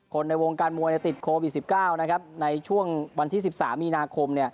ในวงการมวยติดโควิด๑๙ในช่วงวันที่๑๓มีนาคม